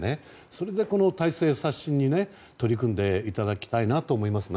それでこの体制刷新に取り組んでいただきたいなと思います。